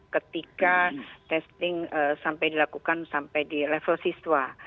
ketika testing sampai dilakukan sampai di level siswa